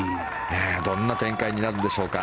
どんな展開になるんでしょうか。